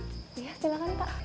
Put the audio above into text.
iya silahkan pak